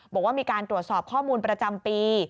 บอกว่ามีการตรวจสอบข้อมูลประจำปี